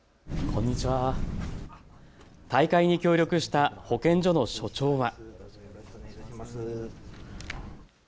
大会に協力した保健所の所長は。